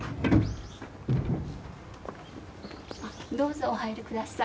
どうぞお入りください。